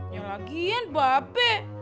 ya lagian ba be